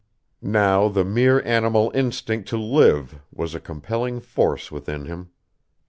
Now the mere animal instinct to live was a compelling force within him.